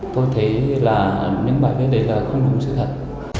tôi thấy là những bài viết đấy là không đúng sự thật